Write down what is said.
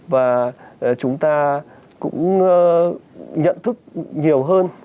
và chúng ta cũng nhận thức nhiều hơn